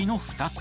２つ。